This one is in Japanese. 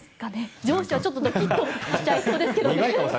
上司はちょっとドキッとしちゃいそうですけどね。